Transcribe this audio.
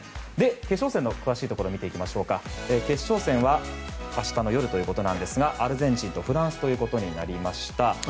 決勝戦の詳しいところを見ていきますと決勝戦は明日の夜アルゼンチンとフランスということになりました。